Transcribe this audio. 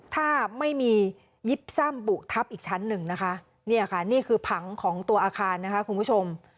ถ้าไม่มียิบซ่ำบุทับอีกชั้นหนึ่งนะคะเนี่ยค่ะนี่คือผังของตัวอาคารนะคะคุณผู้ชม